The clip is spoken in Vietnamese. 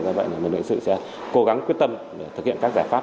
do vậy mình luyện sự sẽ cố gắng quyết tâm để thực hiện các giải pháp